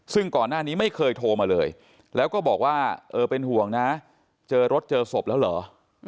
ซึ่งก่อนหน้านี้ไม่เคยโทรมาเลยแล้วก็บอกว่าเออเป็นห่วงนะเจอรถเจอศพแล้วเหรอ